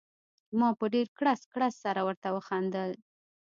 ما په ډېر کړس کړس سره ورته وخندل.